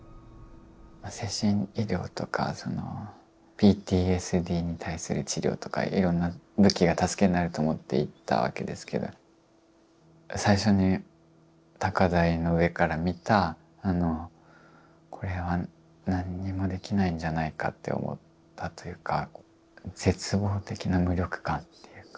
精神医療とかＰＴＳＤに対する治療とかいろんな武器が助けになると思って行ったわけですけど最初に高台の上から見たこれは何もできないんじゃないかと思ったというか絶望的な無力感というか。